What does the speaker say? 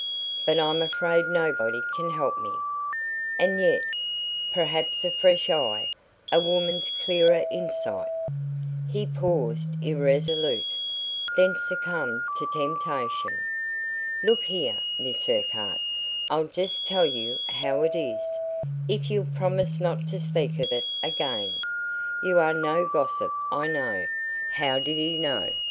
But I'm afraid nobody can help me. And yet, perhaps a fresh eye a woman's clearer insight " He paused irresolute, then succumbed to temptation. "Look here, Miss Urquhart, I'll just tell you how it is, if you'll promise not to speak of it again. You are no gossip, I know" how did he know?